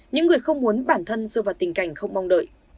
những người không muốn bản thân rơi vào tình cảnh không mong đợi